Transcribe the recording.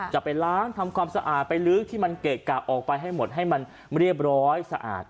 จะไปล้างทำความสะอาดไปลึกที่มันเกะกะออกไปให้หมดให้มันเรียบร้อยสะอาด